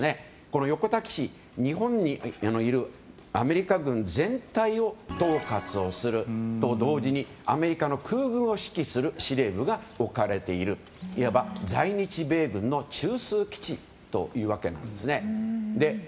この横田基地は日本にいるアメリカ軍全体を統括をすると同時にアメリカの空軍を指揮する司令部が置かれているいわば在日米軍の中枢基地というわけです。